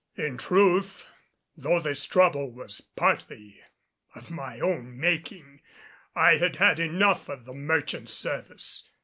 In truth, though this trouble was partly of my own making, I had had enough of the merchant service.